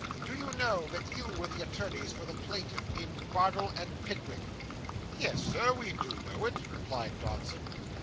Do you know that you were the attorneys for the plaintiff, in Bardell and Pickwick?' 'Yes, sir, we do know it,' replied Dodson.